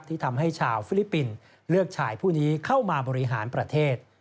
ที่ทำให้ชาวฟิลิปปินส์เลือกชายผู้นี้เข้ามาบริหารประเทศ